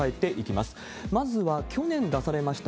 まずは去年出されました